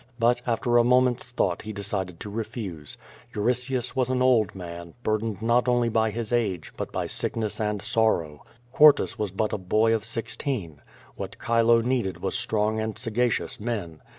But after a moment's thought he decided to refuse. Euritius was an old man, burdened not only by his age, but by sickness and sorrow. Quartus was but a boy of sixteen. What Chilo needed was strong and sagacious men.